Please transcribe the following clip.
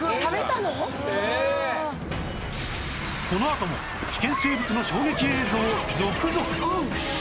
このあとも危険生物の衝撃映像続々！